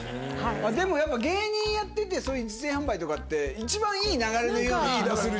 でもやっぱ芸人やっててそういう実演販売とかって一番いい流れのような気もするしね。